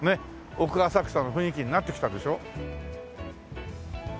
奥浅草の雰囲気になってきたでしょ。